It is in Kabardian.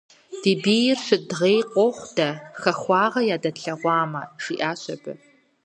- Ди бийр щыдгъей къохъу дэ, хахуагъэ ядэтлъэгъуамэ, - жиӀащ абы.